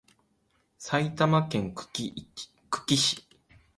埼玉県久喜市